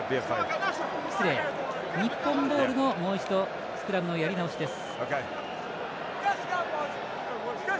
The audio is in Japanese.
失礼、日本ボールのもう一度スクラムのやり直しです。